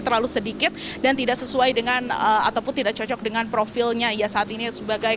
terlalu sedikit dan tidak sesuai dengan ataupun tidak cocok dengan profilnya ia saat ini sebagai